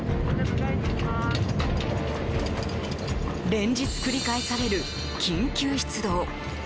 連日、繰り返される緊急出動。